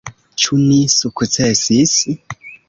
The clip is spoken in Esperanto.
Ĉu ni sukcesis?